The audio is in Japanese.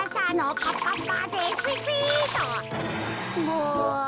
もう。